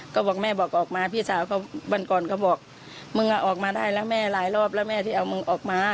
ก็บอกแม่บอกออกมาพี่สาวเขาวันก่อนเขาบอกมึงออกมาได้แล้วแม่หลายรอบแล้วแม่ที่เอามึงออกมา